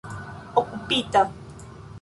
okupita